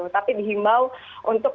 tapi dihimbau untuk